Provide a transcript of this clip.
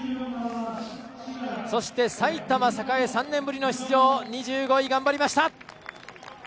そして埼玉栄、３年ぶりの出場２５位、頑張りました。